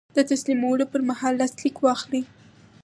د تسلیمولو پر مهال لاسلیک واخلئ.